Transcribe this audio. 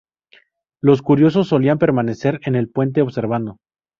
Los curiosos solían permanecer en el puente observando.